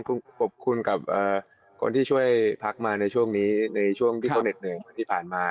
คุณขอบคุณกับคนที่ช่วยพักมาในช่วงนี้ในช่วงที่โตเน็ตเหนื่อยที่ผ่านมา